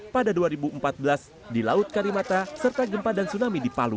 pada dua ribu empat belas di laut karimata serta gempa dan tsunami di palu